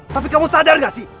tapi kamu sadar gak sih